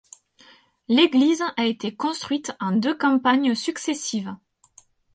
L'église a été construite en deux campagnes successives.